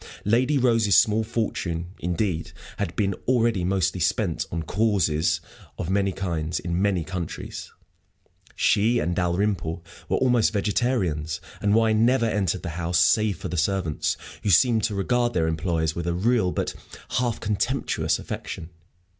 Lady Rose's small fortune, indeed, had been already mostly spent on "causes" of many kinds, in many countries. She and Dalrymple were almost vegetarians, and wine never entered the house save for the servants, who seemed to regard their employers with a real but half contemptuous affection.